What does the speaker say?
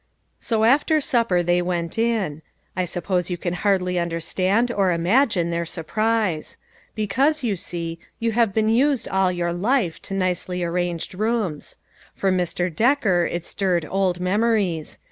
So after supper they went in. I suppose you can hardly understand or imagine their sur prise ; because, you see, you have been used all your life to nicely arranged rooms. For Mr. Becker it stirred old memories.